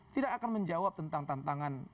tidak akan menjawab tentang tantangan